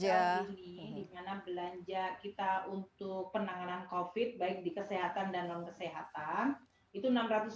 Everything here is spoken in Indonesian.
jadi kalau kita lihat di sini di mana belanja kita untuk penanganan covid baik di kesehatan dan non kesehatan itu enam ratus sembilan puluh lima